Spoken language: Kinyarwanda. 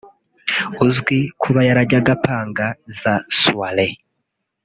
uzwi kuba yarajyaga apanga za [soirees]